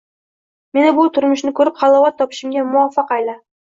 meni bu turmushni ko'rib, halovat topishimga muvaffaq ayla